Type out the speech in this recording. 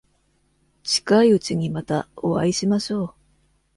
近いうちにまたお会いしましょう。